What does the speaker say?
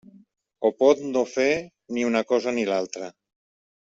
O pot no fer ni una cosa ni l'altra.